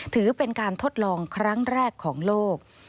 ถือเป็นการทดลองครั้งแรกของโลก